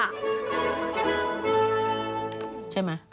ใช่ไหม